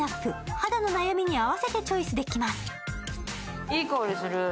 肌の悩みに合わせてチョイスできます。